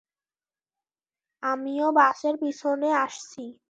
আমিও বাসের পিছনে আসছি।